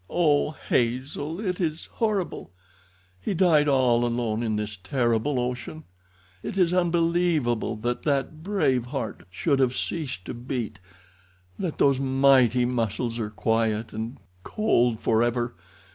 Oh! Hazel, it is horrible! He died all alone in this terrible ocean! It is unbelievable that that brave heart should have ceased to beat—that those mighty muscles are quiet and cold forever!